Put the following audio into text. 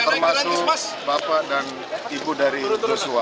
termasuk bapak dan ibu dari joshua